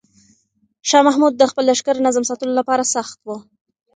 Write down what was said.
شاه محمود د خپل لښکر نظم ساتلو لپاره سخت و.